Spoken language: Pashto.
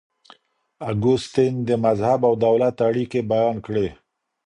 اګوستين د مذهب او دولت اړيکي بيان کړې.